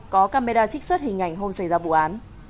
có camera trích xuất hình ảnh hôm xảy ra vụ án